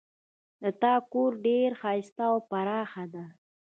د تا کور ډېر ښایسته او پراخ ده